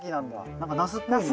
何かナスっぽいね。